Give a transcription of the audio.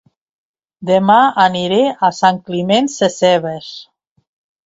Dema aniré a Sant Climent Sescebes